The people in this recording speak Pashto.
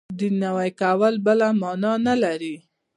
دین نوی کول بله معنا نه لري.